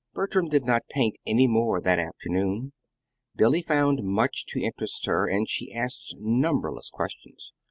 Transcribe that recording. Bertram did not paint any more that afternoon. Billy found much to interest her, and she asked numberless questions.